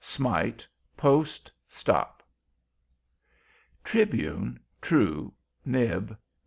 SMITE! POST. STOP! TRIBUNE. TRUE NIB.